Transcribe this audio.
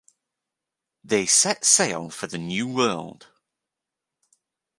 They set sail for the New World.